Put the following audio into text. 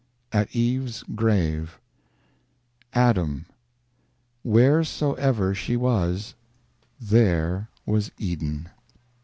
AT EVE'S GRAVE ADAM: Wheresoever she was, there was Eden.